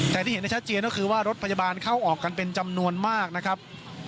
แต่ที่เห็นได้ชัดเจนก็คือว่ารถพยาบาลเข้าออกกันเป็นจำนวนมากนะครับ